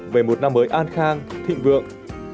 về một năm mới an khang thịnh vượng